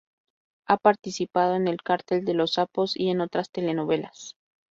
Ha participado en "El cartel de los sapos" y en otras telenovelas.